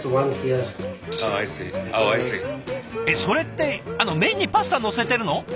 それって麺にパスタ載せてるの？